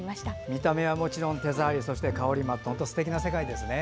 見た目はもちろん手触り香りも本当すてきな世界ですね。